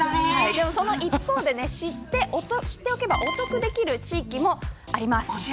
その一方で、知っておけば得できる地域もあります。